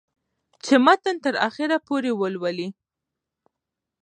چې متن تر اخره پورې ولولي